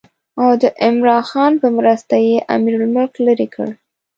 او د عمرا خان په مرسته یې امیرالملک لرې کړ.